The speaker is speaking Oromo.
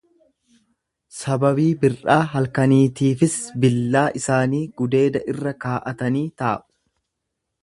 sababii bir'aa halkaniitiifis, billaa isaanii gudeeda irra kaa'atanii taa'u.